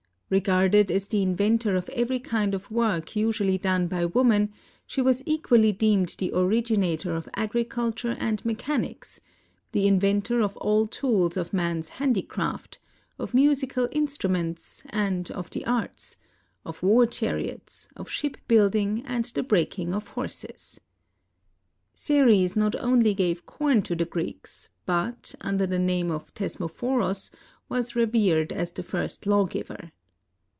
Regarded as the inventor of every kind of work usually done by woman, she was equally deemed the originator of agriculture and mechanics ; the inventor of all tools of man's handicraft ; of musical instruments, and of the arts ; of war chariots ; of ship building, and the breaking of horses. Ceres not only gave corn to the Greeks, but, under the name of Thesmophoros, was revered as the first law giver.